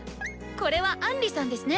これはアンリさんですね！